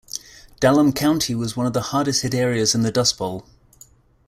Dallam County was one of the hardest hit areas in the Dust Bowl.